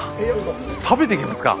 食べていきますか。